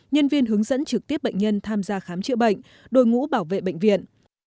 nhân viên hướng dẫn trực tiếp bệnh nhân tham gia khám chữa bệnh đội ngũ bảo vệ bệnh viện